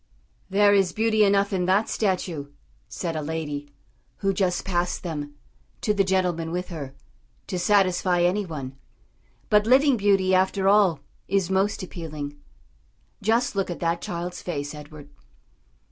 "There is beauty enough in that statue," said a lady, who just passed them, to the gentleman with her, "to satisfy any one; but living beauty after all is most appealing. Just look at that child's face, Edward."